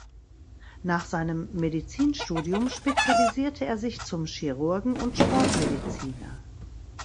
Nach seinem Medizinstudium spezialisierte er sich zum Chirurgen und Sportmediziner.